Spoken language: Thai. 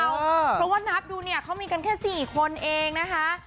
เพราะว่านับดูเนี่ยเขามีกันแค่๔คนเองนะคะ